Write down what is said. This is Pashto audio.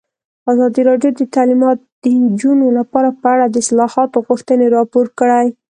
ازادي راډیو د تعلیمات د نجونو لپاره په اړه د اصلاحاتو غوښتنې راپور کړې.